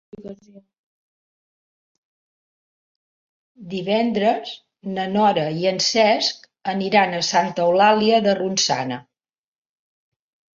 Divendres na Nora i en Cesc aniran a Santa Eulàlia de Ronçana.